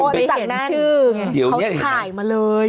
โปะจากนั้นเขาถ่ายมาเลย